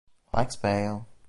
Legs pale.